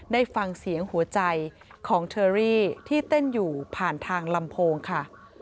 ได้ฟังเสียงหัวใจของเชอรี่ที่เต้นอยู่ผ่านทางลำโพงค่ะ